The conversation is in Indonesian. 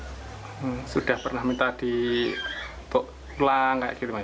beliau pernah minta di pulang